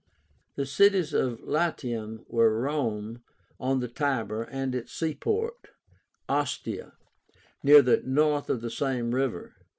The cities of Latium were Rome, on the Tiber, and its seaport, Ostia, near the mouth of the same river.